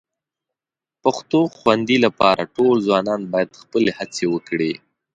پښتو خوندي لپاره ټول ځوانان باید خپلې هڅې وکړي